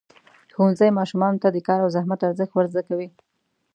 ښوونځی ماشومانو ته د کار او زحمت ارزښت ورزده کوي.